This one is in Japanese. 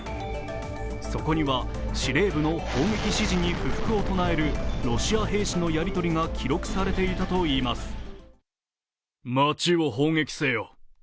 そこには司令部の砲撃指示に不服を唱えるロシア兵士のやり取りが記録されていたといいます。